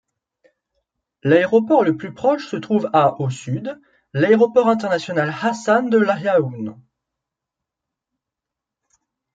L'aéroport le plus proche se trouve à au sud, l'aéroport international Hassan de Laâyoune.